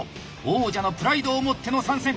王者のプライドを持っての参戦。